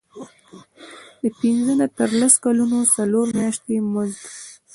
د پنځه نه تر لس کلونو څلور میاشتې مزد.